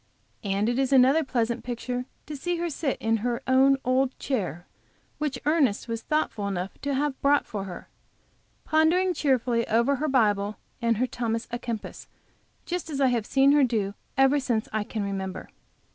And it is another pleasant picture to see her sit in her own old chair, which Ernest was thoughtful enough to have brought for her, pondering cheerfully over her Bible and her Thomas a Kempis just as I have seen her do ever since I can remember.